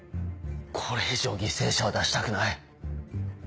これ以上犠牲者は出したくない。